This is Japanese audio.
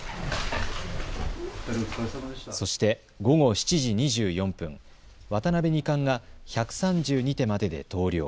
そして午後７時２４分、渡辺二冠が１３２手までで投了。